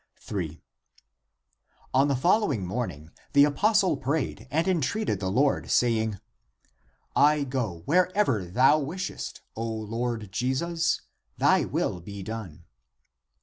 3. On the following morning the apostle prayed and entreated the Lord, saying, " I go wherever thou wishest, O Lord Jesus; thy will be done."